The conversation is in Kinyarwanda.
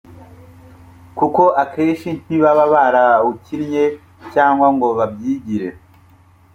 kuko akeshi ntibaba barawukinnye cyagwa ngo babyigire